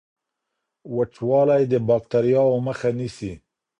وچوالی د باکټریاوو مخه نیسي.